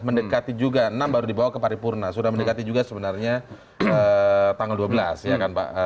mendekati juga enam baru dibawa ke paripurna sudah mendekati juga sebenarnya tanggal dua belas ya kan pak